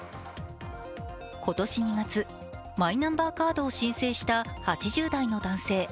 今年２月、マイナンバーカードを申請した８０代の男性。